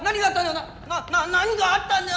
「なっ何があったんだよ！」